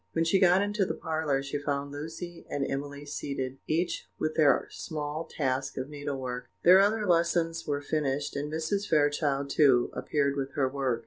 When she got into the parlour, she found Lucy and Emily seated each with her small task of needlework; their other lessons were finished; and Mrs. Fairchild, too, appeared with her work.